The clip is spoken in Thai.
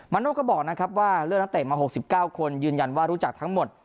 โน่ก็บอกนะครับว่าเลือกนักเตะมา๖๙คนยืนยันว่ารู้จักทั้งหมด